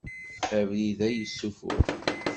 Abrid-a yessufuɣ.